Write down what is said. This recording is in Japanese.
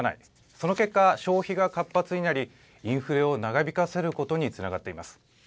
その結果、消費が活発になり、インフレを長引かせることにつながっています。